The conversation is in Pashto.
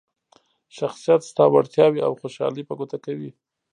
شخصیت ستا وړتیاوې او خوشحالي په ګوته کوي.